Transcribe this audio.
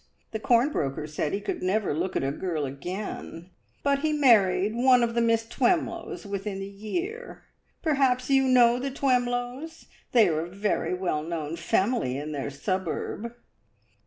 The corn broker said he could never look at a girl again, but he married one of the Miss Twemlows within the year. Perhaps you know the Twemlows? They are a very well known family in their suburb."